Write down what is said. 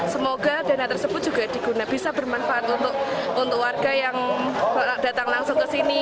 semoga dana tersebut juga bisa bermanfaat untuk warga yang datang langsung ke sini